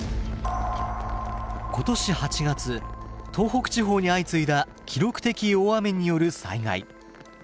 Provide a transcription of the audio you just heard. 今年８月東北地方に相次いだ記録的大雨による災害。